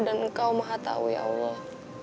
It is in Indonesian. dan engkau maha tau ya allah